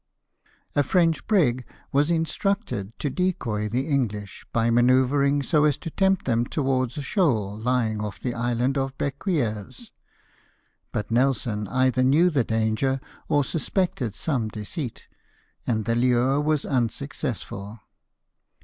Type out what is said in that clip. A French brig was instructed to decoy the EngUsh, by manoeuvring so as to tempt them towards a shoal lying off the island of Bequieres ; but Nels6n either knew the danger, or suspected some deceit, and the lure was unsuccessful.